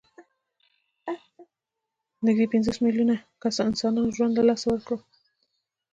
نږدې پنځوس میلیونو انسانانو ژوند له لاسه ورکړ.